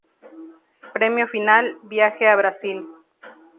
Premio Final: Viaje a Brasil.